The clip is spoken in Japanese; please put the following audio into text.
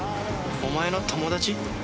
お前の友達？